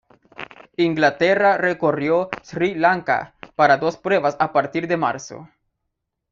Inglaterra recorrió Sri Lanka para dos pruebas a partir de marzo.